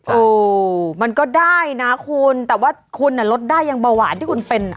โอ้มันก็ได้นะคุณแต่ว่าคุณอ่ะลดได้ยังเบาหวานที่คุณเป็นอ่ะ